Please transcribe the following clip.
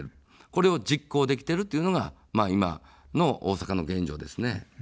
これを実行できているというのが今の大阪の現状ですね。